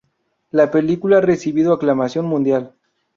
La película ha recibido aclamación mundial.